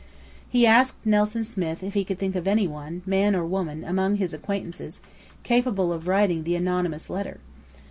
He asked Nelson Smith if he could think of any one, man or woman, among his acquaintances capable of writing the anonymous letter.